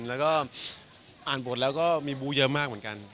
แล้วก็อ่านบทแล้วก็มีบู้เยอะมากเหมือนกัน